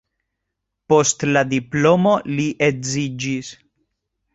Post la diplomo li edziĝis.